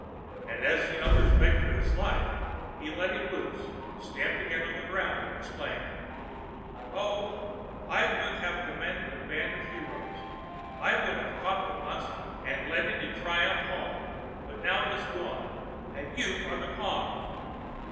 and as the others begged for his life, he let him loose, stamped again on the ground, and exclaimed: "Oh, I would have commanded a band of heroes; I would have caught the monster, and led it in triumph home, but now it is gone, and you are the cause!"